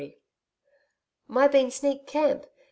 My been sneak camp.